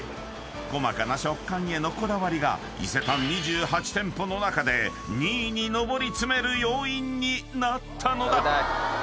［細かな食感へのこだわりが伊勢丹２８店舗の中で２位に上り詰める要因になったのだ］